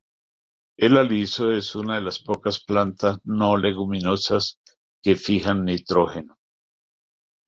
El aliso es una de las pocas plantas no-leguminosas que fijan nitrógeno.